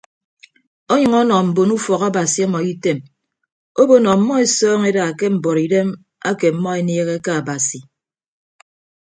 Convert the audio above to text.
Ọnyʌñ ọnọ mbon ufọk abasi ọmọ item obo nọ ọmmọ esọọñọ eda ke mbuọtidem ake ọmmọ eniehe ke abasi.